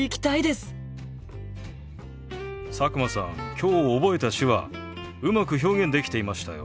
今日覚えた手話うまく表現できていましたよ。